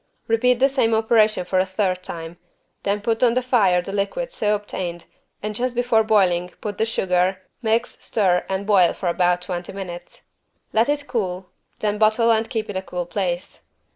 Repeat the same operation for a third time, then put on the fire the liquid so obtained and just before boiling put the sugar, mix, stir and boil for about twenty minutes. Let it cool, then bottle and keep in a cool place.